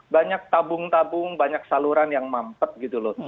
banyak tabung tabung banyak saluran yang mampet gitu loh